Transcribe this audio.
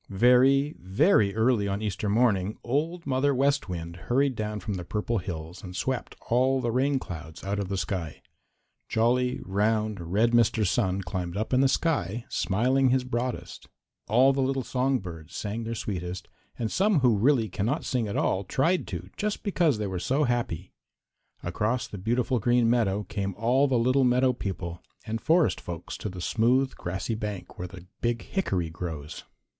Very, very early on Easter morning Old Mother West Wind hurried down from the Purple Hills and swept all the rain clouds out of the sky. Jolly, round, red Mr. Sun climbed up in the sky, smiling his broadest. All the little song birds sang their sweetest, and some who really cannot sing at all tried to just because they were so happy. Across the beautiful Green Meadows came all the little meadow people and forest folks to the smooth, grassy bank where the big hickory grows.